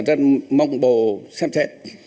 rất mong bộ xem xét